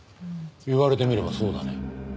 言われてみればそうだね。